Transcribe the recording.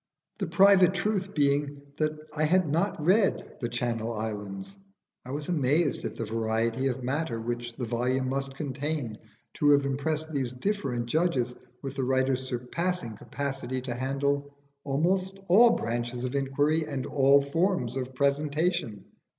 The private truth being that I had not read 'The Channel Islands,' I was amazed at the variety of matter which the volume must contain to have impressed these different judges with the writer's surpassing capacity to handle almost all branches of inquiry and all forms of presentation.